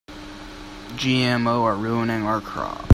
GMO are ruining our crops.